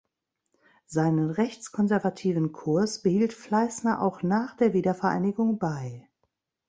Seinen rechtskonservativen Kurs behielt Fleissner auch nach der Wiedervereinigung bei.